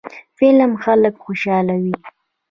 فلم خلک خوشحالوي